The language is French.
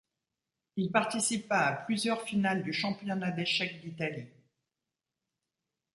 Il participa à plusieurs finales du Championnat d'échecs d'Italie.